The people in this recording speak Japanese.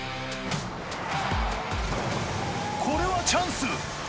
これはチャンス！